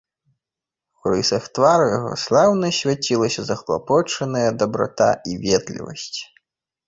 У рысах твару яго слаўна свяцілася заклапочаная дабрата і ветлівасць.